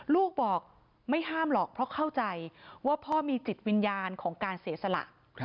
ลูกบอกไม่ห้ามหรอกเพราะเข้าใจว่าพ่อมีจิตวิญญาณของการเสียสละ